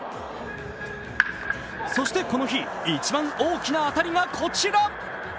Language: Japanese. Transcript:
そして、この日一番大きな当たりがこちら。